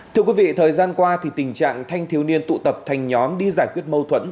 thưa quý vị thời gian qua tình trạng thanh thiếu niên tụ tập thành nhóm đi giải quyết mâu thuẫn